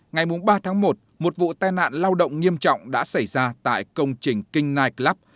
ngày bốn ba một một vụ tai nạn lao động nghiêm trọng đã xảy ra tại công trình kinh night club